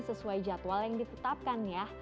sesuai jadwal yang ditetapkan ya